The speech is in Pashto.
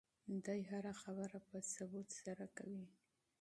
دی هره خبره په ثبوت سره کوي.